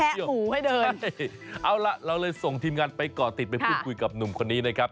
เดี๋ยวเอาล่ะเราเลยส่งทีมงานไปก่อติดไปพูดคุยกับหนุ่มคนนี้นะครับ